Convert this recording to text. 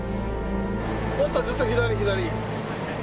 もっとずっと左左。